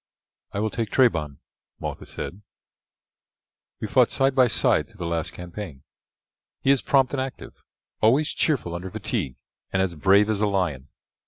"I will take Trebon," Malchus said; "we fought side by side through the last campaign. He is prompt and active, always cheerful under fatigue, and as brave as a lion.